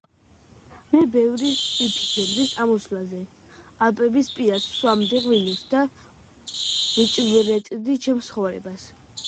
მე ბევრი ვიფიქრე მზის ამოსვლაზე ალპების პირას ვსვამდი ღვინოს და ვჭვრეტდი ჩემს ცხოვრებას.